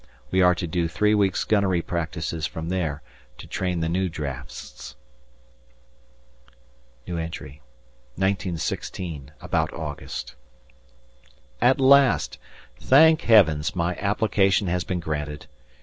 We are to do three weeks' gunnery practices from there, to train the new drafts. 1916 (about August). At last! Thank Heavens, my application has been granted.